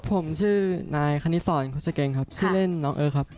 ผมชื่อนายคนนิสสร์ธุ์ฮุตเจรงครับชื่อเร่นน้องอิ๊วครับ